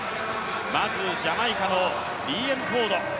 まずジャマイカのリーエム・フォード。